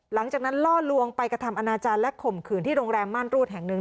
หลังจากนั้นล่อลวงไปกระทำอนาจารย์และข่มขืนที่โรงแรมม่านรูดแห่งหนึ่ง